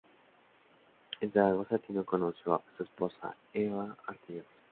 En Zaragoza Tino conoció a su esposa Eva Artigas.